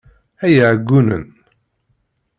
Ay iɛeggunen!